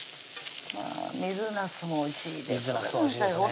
水なすもおいしいですね